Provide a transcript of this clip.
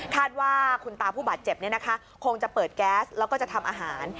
ว่าคุณตาผู้บาดเจ็บคงจะเปิดแก๊สแล้วก็จะทำอาหาร